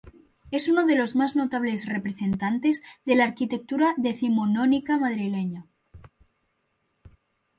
Es uno de los más notables representantes de la arquitectura decimonónica madrileña.